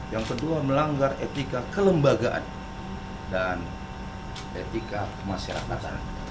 yang kedua melanggar etika kelembagaan dan etika kemasyarakatan